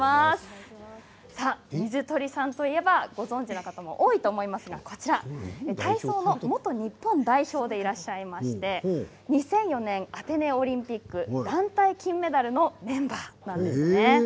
水鳥さんといえばご存じの方も多いと思いますが体操の元日本代表でいらっしゃいまして２００４年、アテネオリンピック団体金メダルのメンバーなんです。